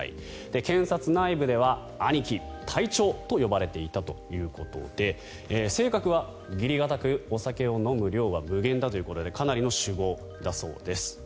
検察内部では兄貴、隊長と呼ばれていたということで性格は義理堅くお酒を飲む量は無限だということでかなりの酒豪だそうです。